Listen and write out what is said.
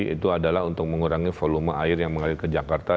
itu adalah untuk mengurangi volume air yang mengalir ke jakarta